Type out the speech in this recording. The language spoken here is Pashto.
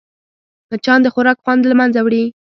مچان د خوراک خوند له منځه وړي